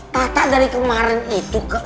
tata dari kemarin itu